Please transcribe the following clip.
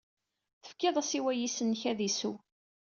Tefkid-as i wayis-nnek ad isew.